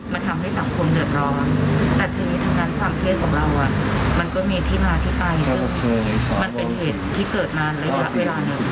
กับคนที่โดดโกงพี่พ่อโกงกับบริษัทเราไป